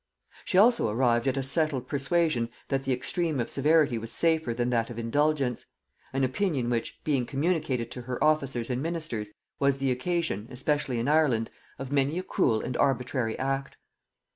She also arrived at a settled persuasion that the extreme of severity was safer than that of indulgence; an opinion which, being communicated to her officers and ministers, was the occasion, especially in Ireland, of many a cruel and arbitrary act.